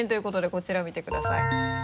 こちら見てください。